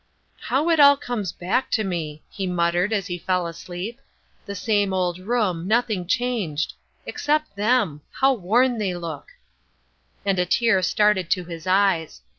"How it all comes back to me," he muttered as he fell asleep, "the same old room, nothing changed—except them—how worn they look," and a tear started to his eyes.